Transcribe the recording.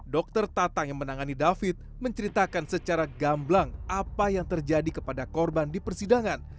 dokter tatang yang menangani david menceritakan secara gamblang apa yang terjadi kepada korban di persidangan